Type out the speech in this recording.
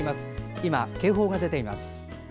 今、警報が出ています。